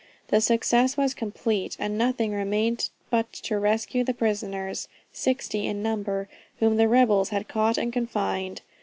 The success was complete, and nothing remained but to rescue the prisoners (60 in number) whom the rebels had caught and confined.